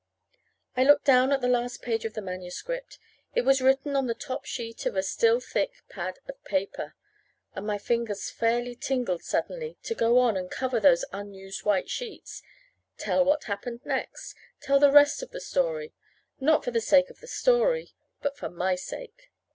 I looked down at the last page of the manuscript. It was written on the top sheet of a still thick pad of paper, and my fingers fairly tingled suddenly, to go on and cover those unused white sheets tell what happened next tell the rest of the story; not for the sake of the story but for my sake.